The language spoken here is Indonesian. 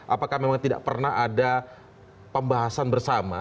apakah memang tidak pernah ada pembahasan bersama